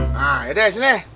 nah ya deh sini